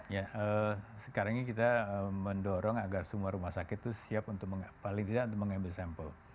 ya sekarang ini kita mendorong agar semua rumah sakit itu siap untuk paling tidak untuk mengambil sampel